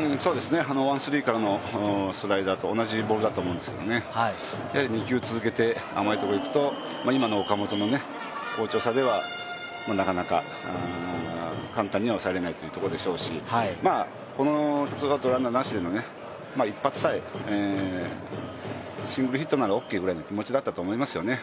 ワン・スリーからのスライダーと同じボールだと思うんですけどね、やはり２球続けて甘いところにいくと今の岡本の好調さでは、なかなか簡単には抑えられないというところでしょうし、このツーアウトランナーなしでの一発さえシングルヒットならオーケーくらいの気持ちだったと思いますよね。